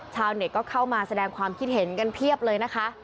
ชาวเน็ตก็เข้ามาแสดงความคิดเห็นกันเพียบเลยนะคะ